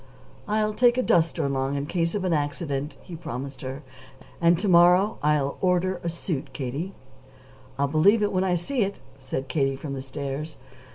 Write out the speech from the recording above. "I'll take a duster along in case of accident," he promised her; "and to morrow I'll order a suit, Katie." "I'll believe it when I see it," said Katie from the stairs.